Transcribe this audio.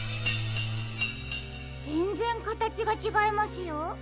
ぜんぜんかたちがちがいますよ。